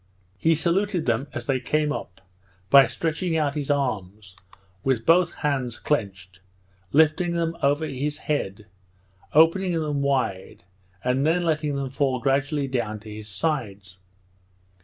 He saluted them as he came up, by stretching out his arms, with both hands clenched, lifting them over his head, opening them wide, and then letting them fall gradually down to his sides.